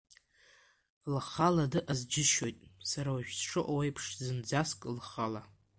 Лхала дыҟаз џьысшьоит, сара уажә сшыҟоу еиԥш, зынӡаск лхала.